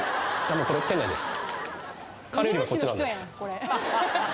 もうこれ店内です